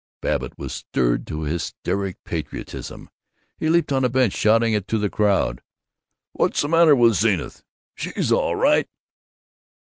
Babbitt was stirred to hysteric patriotism. He leaped on a bench, shouting to the crowd: "What's the matter with Zenith?" "She's all right!"